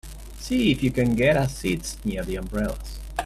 See if you can get us seats near the umbrellas.